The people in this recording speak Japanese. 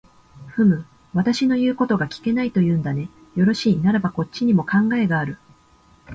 ふむ、私の言うことが聞けないと言うんだね。よろしい、ならばこっちにも考えがある。